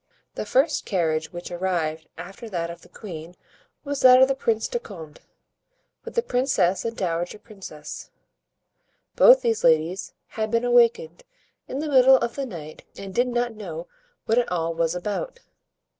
The first carriage which arrived after that of the queen was that of the Prince de Condé, with the princess and dowager princess. Both these ladies had been awakened in the middle of the night and did not know what it all was about.